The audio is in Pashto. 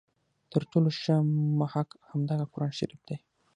تر ټولو ښه محک همدغه قرآن شریف دی.